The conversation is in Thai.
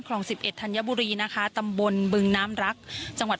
สิบเอ็ดธัญบุรีนะคะตำบลบึงน้ำรักจังหวัด